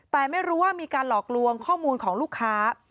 แต่ไม่รู้ว่ามีการหลอกลวงข้อมูลของลูกค้า